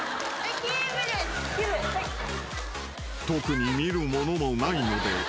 ［特に見るものもないので］